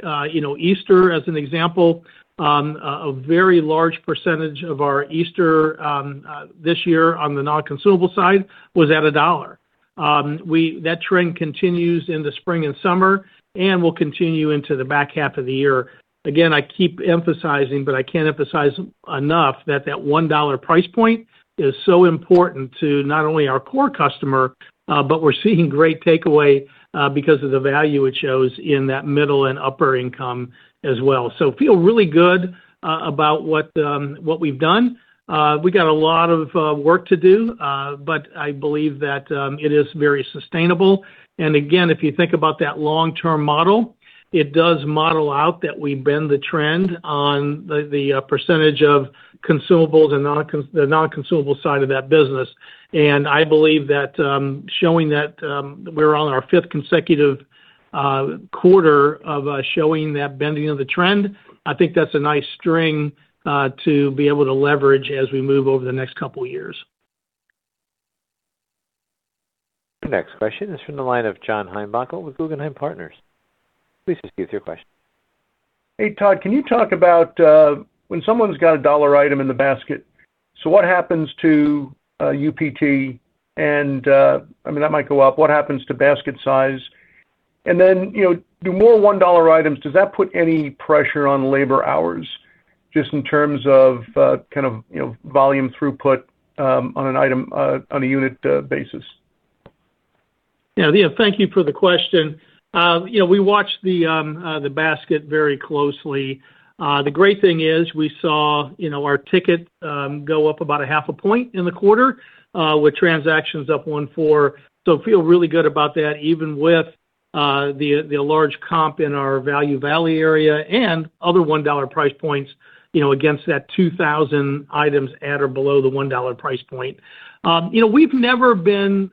Easter as an example, a very large percentage of our Easter this year on the non-consumable side was at $1. That trend continues in the spring and summer, and will continue into the back half of the year. Again, I keep emphasizing, but I can't emphasize enough that $1 price point is so important to not only our core customer, but we're seeing great takeaway because of the value it shows in that middle and upper income as well. Feel really good about what we've done. We got a lot of work to do. I believe that it is very sustainable. Again, if you think about that long-term model, it does model out that we bend the trend on the percentage of consumables and the non-consumable side of that business. I believe that showing that we're on our fifth consecutive quarter of showing that bending of the trend, I think that's a nice string to be able to leverage as we move over the next couple of years. The next question is from the line of John Heinbockel with Guggenheim Partners. Please proceed with your question. Hey, Todd, can you talk about when someone's got a dollar item in the basket, what happens to UPT? I mean, that might go up. What happens to basket size? The more $1 items, does that put any pressure on labor hours just in terms of kind of volume throughput on a unit basis? Yeah. John, thank you for the question. We watch the basket very closely. The great thing is we saw our ticket go up about 0.5 point in the quarter, with transactions up 1.4. Feel really good about that, even with the large comp in our Value Valley area and other $1 price points against that 2,000 items at or below the $1 price point. We've never been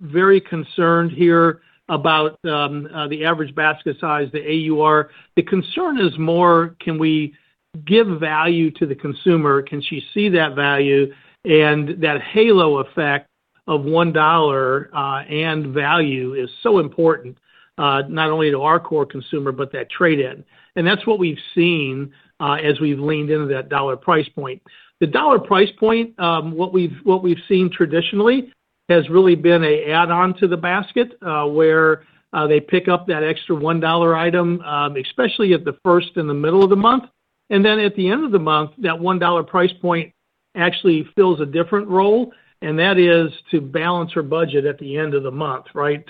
very concerned here about the average basket size, the AUR. The concern is more can we give value to the consumer? Can she see that value? That halo effect of $1 and value is so important, not only to our core consumer but that trade-in. That's what we've seen as we've leaned into that $1 price point. The $1 price point, what we've seen traditionally has really been a add-on to the basket, where they pick up that extra $1 item, especially at the first and the middle of the month. Then at the end of the month, that $1 price point actually fills a different role, and that is to balance her budget at the end of the month, right?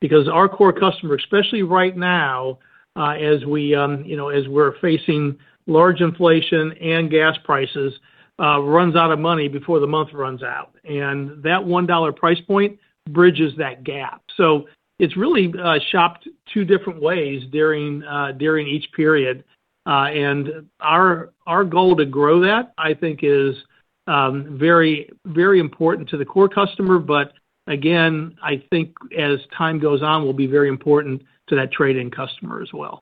Because our core customer, especially right now, as we're facing large inflation and gas prices, runs out of money before the month runs out. That $1 price point bridges that gap. It's really shopped two different ways during each period. Our goal to grow that, I think is very important to the core customer. Again, I think as time goes on, will be very important to that trade-in customer as well.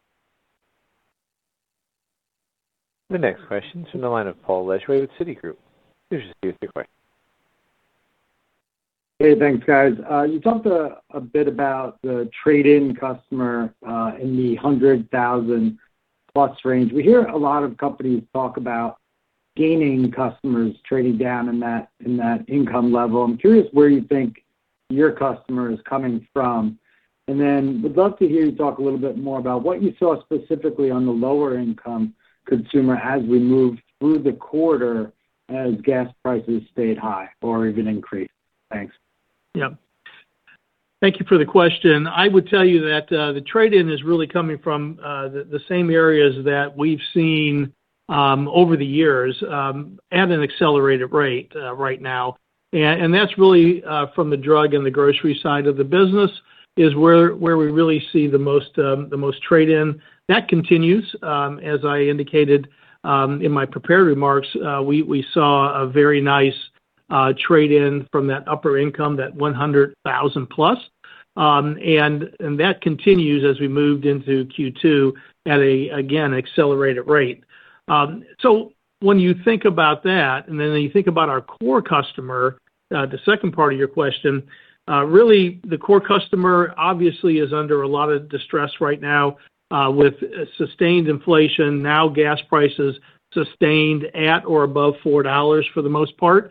The next question is from the line of Paul Lejuez with Citigroup. Please proceed with your question. Hey, thanks, guys. You talked a bit about the trade-in customer in the 100,000+ range. We hear a lot of companies talk about gaining customers trading down in that income level. I'm curious where you think your customer is coming from. Would love to hear you talk a little bit more about what you saw specifically on the lower income consumer as we moved through the quarter, as gas prices stayed high or even increased. Thanks. Yep. Thank you for the question. I would tell you that the trade-in is really coming from the same areas that we've seen over the years, at an accelerated rate right now. That's really from the drug and the grocery side of the business, is where we really see the most trade-in. That continues. As I indicated in my prepared remarks, we saw a very nice trade-in from that upper income, that $100,000 plus. That continues as we moved into Q2 at a, again, accelerated rate. When you think about that, and then when you think about our core customer, the second part of your question, really the core customer obviously is under a lot of distress right now with sustained inflation. Gas prices sustained at or above $4 for the most part,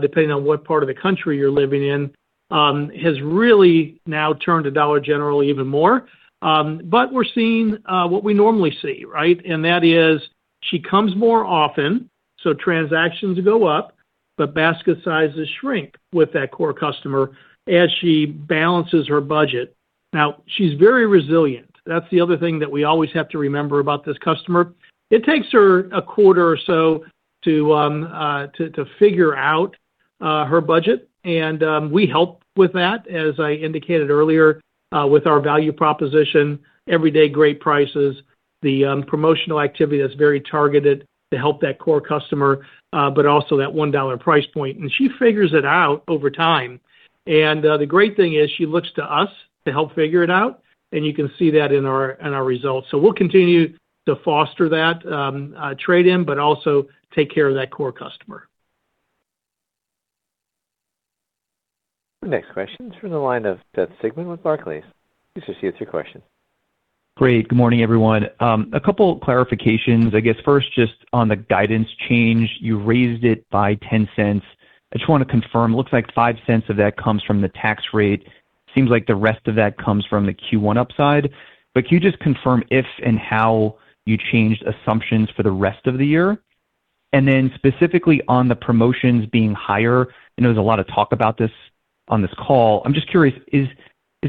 depending on what part of the country you're living in, has really now turned to Dollar General even more. We're seeing what we normally see, right? That is she comes more often, so transactions go up, but basket sizes shrink with that core customer as she balances her budget. She's very resilient. That's the other thing that we always have to remember about this customer. It takes her a quarter or so to figure out her budget, and we help with that, as I indicated earlier, with our value proposition, everyday great prices, the promotional activity that's very targeted to help that core customer, but also that $1 price point. She figures it out over time. The great thing is, she looks to us to help figure it out, and you can see that in our results. We'll continue to foster that trade in, but also take care of that core customer. The next question is from the line of Seth Sigman with Barclays. Please proceed with your question. Great. Good morning, everyone. A couple clarifications. I guess first, just on the guidance change, you raised it by $0.10. I just want to confirm, looks like $0.05 of that comes from the tax rate. Seems like the rest of that comes from the Q1 upside. Can you just confirm if and how you changed assumptions for the rest of the year? Then specifically on the promotions being higher, I know there's a lot of talk about this on this call. I'm just curious, is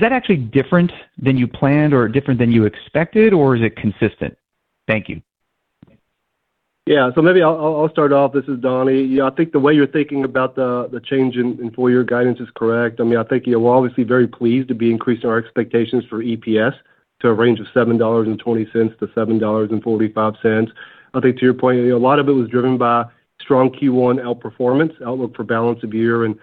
that actually different than you planned or different than you expected, or is it consistent? Thank you. Maybe I'll start off. This is Donny. I think the way you're thinking about the change in full year guidance is correct. I think you're obviously very pleased to be increasing our expectations for EPS to a range of $7.20-$7.45. I think to your point, a lot of it was driven by strong Q1 outperformance, outlook for balance of year and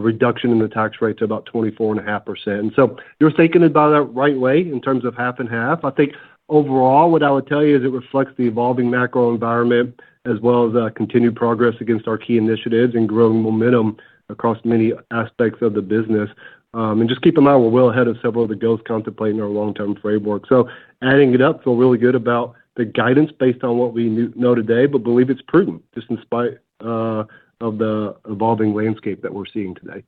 reduction in the tax rate to about 24.5%. You're thinking about it the right way in terms of half and half. I think overall, what I would tell you is it reflects the evolving macro environment as well as our continued progress against our key initiatives and growing momentum across many aspects of the business. Just keep in mind, we're well ahead of several of the goals contemplated in our long-term framework. Adding it up, feel really good about the guidance based on what we know today, but believe it's prudent just in spite of the evolving landscape that we're seeing today.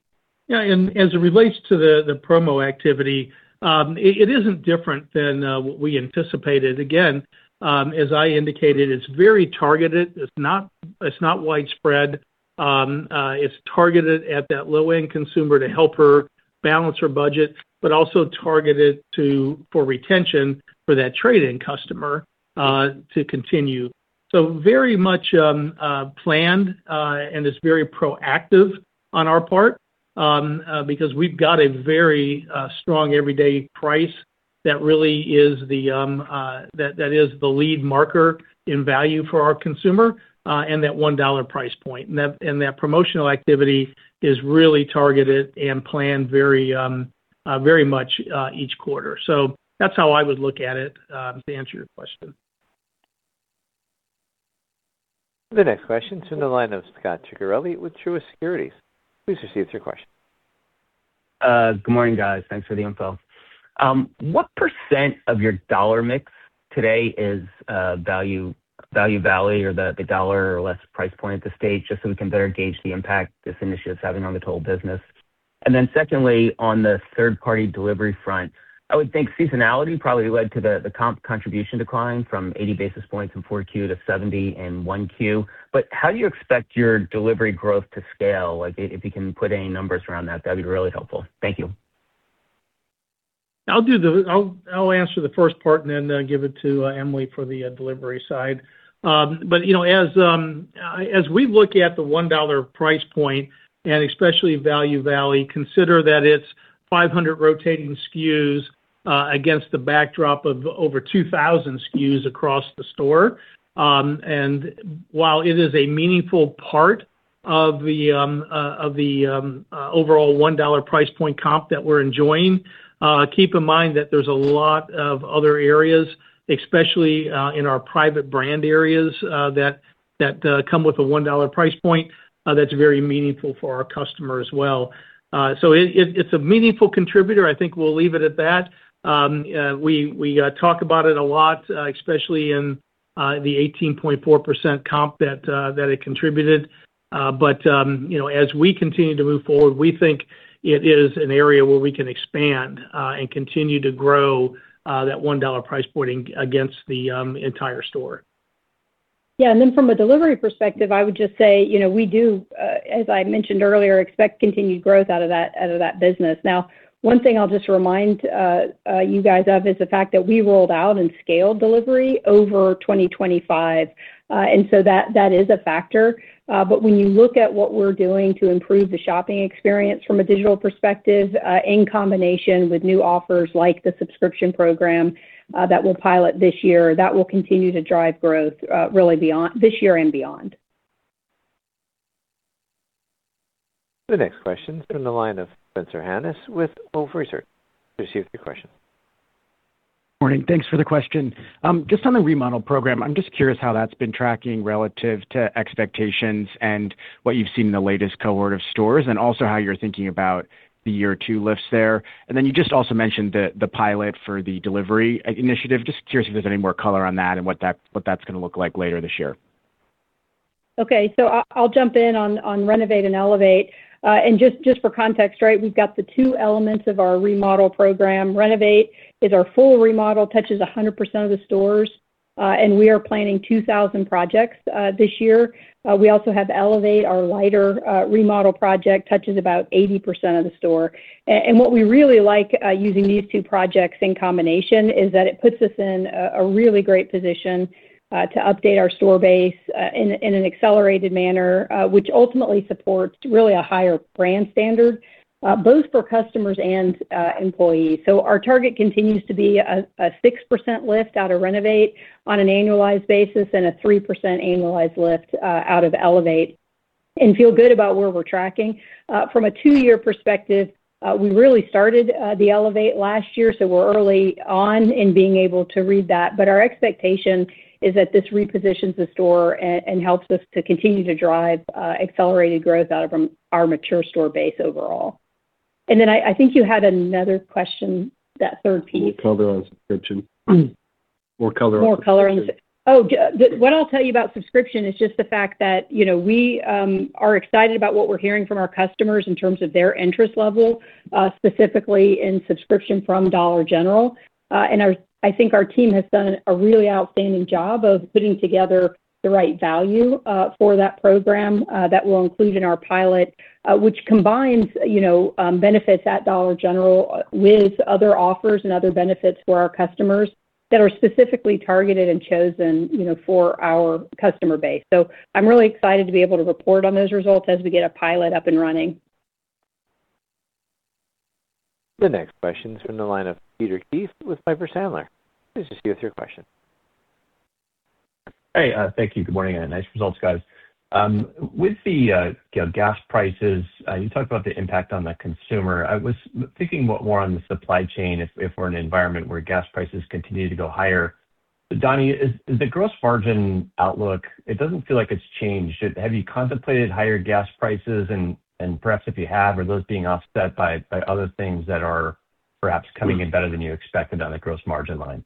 As it relates to the promo activity, it isn't different than what we anticipated. Again, as I indicated, it's very targeted. It's not widespread. It's targeted at that low-end consumer to help her balance her budget, but also targeted for retention for that trade-in customer to continue. Very much planned, and it's very proactive on our part, because we've got a very strong everyday price that really is the lead marker in value for our consumer, and that $1 price point. That promotional activity is really targeted and planned very much each quarter. That's how I would look at it, to answer your question. The next question is in the line of Scot Ciccarelli with Truist Securities. Please proceed with your question. Good morning, guys. Thanks for the info. What % of your dollar mix today is Value Valley or the $1 or less price point at stage one, just so we can better gauge the impact this initiative's having on the total business? Secondly, on the third-party delivery front, I would think seasonality probably led to the comp contribution decline from 80 basis points in 4Q to 70 basis points in 1Q. How do you expect your delivery growth to scale? If you can put any numbers around that'd be really helpful. Thank you. I'll answer the first part and then give it to Emily for the delivery side. As we look at the $1 price point and especially Value Valley, consider that it's 500 rotating SKUs against the backdrop of over 2,000 SKUs across the store. While it is a meaningful part of the overall $1 price point comp that we're enjoying, keep in mind that there's a lot of other areas, especially in our private brand areas, that come with a $1 price point that's very meaningful for our customer as well. It's a meaningful contributor. I think we'll leave it at that. We talk about it a lot, especially in the 18.4% comp that it contributed. As we continue to move forward, we think it is an area where we can expand and continue to grow that $1 price point against the entire store. Yeah, from a delivery perspective, I would just say, we do, as I mentioned earlier, expect continued growth out of that business. Now, one thing I'll just remind you guys of is the fact that we rolled out and scaled delivery over 2025. That is a factor. When you look at what we're doing to improve the shopping experience from a digital perspective, in combination with new offers like the subscription program that we'll pilot this year, that will continue to drive growth really this year and beyond. The next question is from the line of Spencer Hanus with Wolfe Research. Please proceed with your question. Morning. Thanks for the question. Just on the remodel program, I'm just curious how that's been tracking relative to expectations and what you've seen in the latest cohort of stores, and also how you're thinking about the year two lifts there? Then you just also mentioned the pilot for the delivery initiative. Just curious if there's any more color on that and what that's going to look like later this year? Okay. I'll jump in on Renovate and Elevate. Just for context, right, we've got the two elements of our remodel program. Renovate is our full remodel, touches 100% of the stores. We are planning 2,000 projects this year. We also have Elevate, our lighter remodel project, touches about 80% of the store. What we really like using these two projects in combination is that it puts us in a really great position to update our store base in an accelerated manner, which ultimately supports really a higher brand standard both for customers and employees. Our target continues to be a 6% lift out of Renovate on an annualized basis and a 3% annualized lift out of Elevate and feel good about where we're tracking. From a two-year perspective, we really started the Elevate last year, so we're early on in being able to read that. Our expectation is that this repositions the store and helps us to continue to drive accelerated growth out from our mature store base overall. I think you had another question, that third piece. More color on subscription. More color on Oh, what I'll tell you about subscription is just the fact that we are excited about what we're hearing from our customers in terms of their interest level, specifically in subscription from Dollar General. I think our team has done a really outstanding job of putting together the right value for that program that we'll include in our pilot, which combines benefits at Dollar General with other offers and other benefits for our customers that are specifically targeted and chosen for our customer base. I'm really excited to be able to report on those results as we get a pilot up and running. The next question is from the line of Peter Keith with Piper Sandler. Please proceed with your question. Hey, thank you. Good morning. Nice results, guys. With the gas prices, you talked about the impact on the consumer. I was thinking more on the supply chain, if we're in an environment where gas prices continue to go higher. Donny, is the gross margin outlook, it doesn't feel like it's changed. Have you contemplated higher gas prices and perhaps if you have, are those being offset by other things that are perhaps coming in better than you expected on the gross margin line?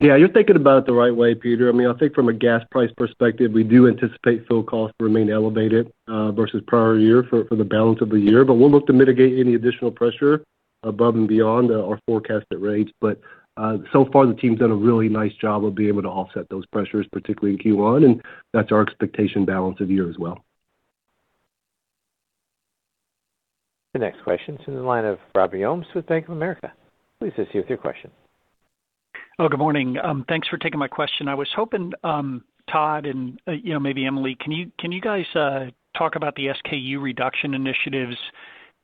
Yeah, you're thinking about it the right way, Peter. I think from a gas price perspective, we do anticipate fuel costs to remain elevated, versus prior year for the balance of the year. We'll look to mitigate any additional pressure above and beyond our forecasted rates. So far the team's done a really nice job of being able to offset those pressures, particularly in Q1, and that's our expectation balance of year as well. The next question's in the line of Robert Ohmes with Bank of America. Please proceed with your question. Hello, good morning. Thanks for taking my question. I was hoping, Todd, and maybe Emily, can you guys talk about the SKU reduction initiatives,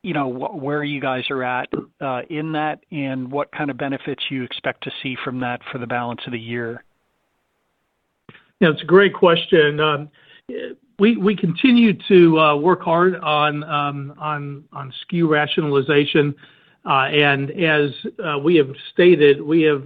where you guys are at in that, and what kind of benefits you expect to see from that for the balance of the year? Yeah, it's a great question. We continue to work hard on SKU rationalization. As we have stated, we have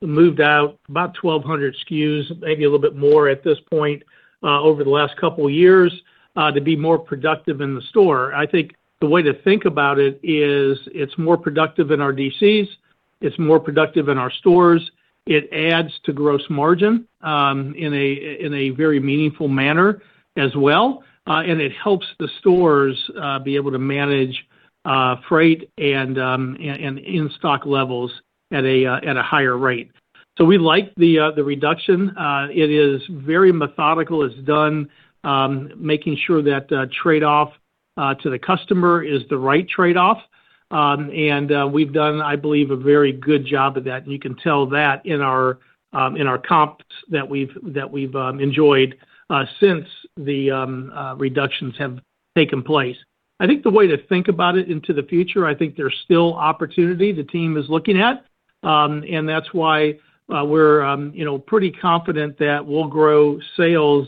moved out about 1,200 SKUs, maybe a little bit more at this point, over the last couple years, to be more productive in the store. I think the way to think about it is it's more productive in our DCs, it's more productive in our stores. It adds to gross margin in a very meaningful manner as well. It helps the stores be able to manage freight and in-stock levels at a higher rate. We like the reduction. It is very methodical. It's done making sure that trade-off to the customer is the right trade-off. We've done, I believe, a very good job of that, and you can tell that in our comps that we've enjoyed since the reductions have taken place. I think the way to think about it into the future, I think there's still opportunity the team is looking at. That's why we're pretty confident that we'll grow sales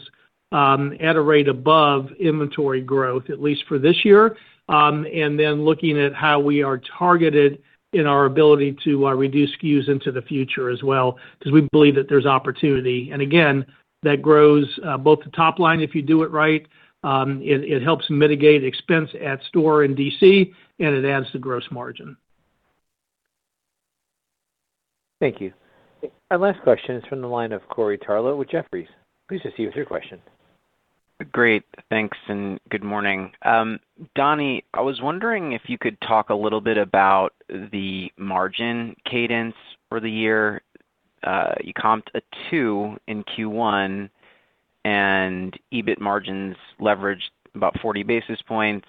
at a rate above inventory growth, at least for this year. Looking at how we are targeted in our ability to reduce SKUs into the future as well, because we believe that there's opportunity. Again, that grows both the top line, if you do it right. It helps mitigate expense at store and DC, and it adds to gross margin. Thank you. Our last question is from the line of Corey Tarlowe with Jefferies. Please proceed with your question. Great. Thanks, and good morning. Donny, I was wondering if you could talk a little bit about the margin cadence for the year. You comped a two in Q1 and EBIT margins leveraged about 40 basis points.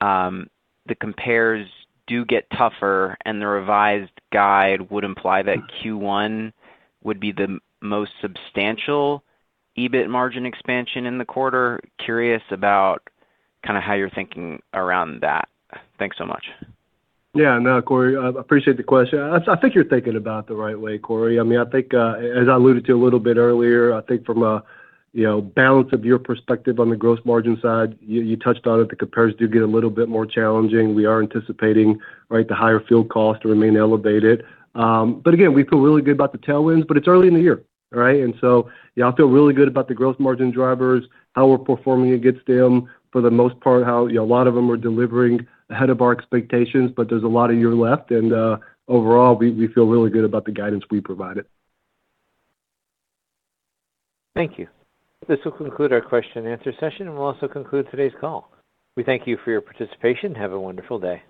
The compares do get tougher and the revised guide would imply that Q1 would be the most substantial EBIT margin expansion in the quarter. Curious about how you're thinking around that. Thanks so much. Yeah, no, Corey, I appreciate the question. I think you're thinking about it the right way, Corey. I think, as I alluded to a little bit earlier, I think from a balance of your perspective on the gross margin side, you touched on it, the compares do get a little bit more challenging. We are anticipating the higher fuel cost to remain elevated. Again, we feel really good about the tailwinds, but it's early in the year, right? Yeah, I feel really good about the gross margin drivers, how we're performing against them for the most part, how a lot of them are delivering ahead of our expectations, but there's a lot of year left and, overall we feel really good about the guidance we provided. Thank you. This will conclude our question and answer session and will also conclude today's call. We thank you for your participation. Have a wonderful day.